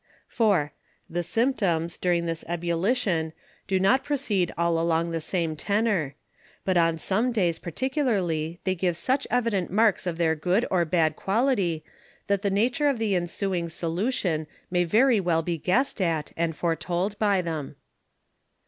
4. The Symptoms, during this Ebullition, do not proceed all along in the same Tenour; but on some days particularly, they give such evident Marks of their good or bad Quality, that the nature of the ensuing Solution may very well be guess'd at, and foretold by 'em.